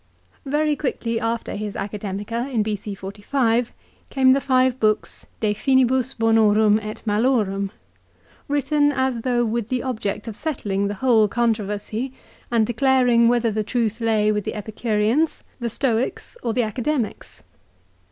Very quickly after his Academica, in B.C. 45, came the five books, "De Finibus Bonorum et Malorum," written as though with the object of settling the whole controversy and declaring whether the truth lay with the Epicureans, the 1 Pro Murena, ca. xxix. 346 LIFE OF CICERO. Stoics, or the Academics.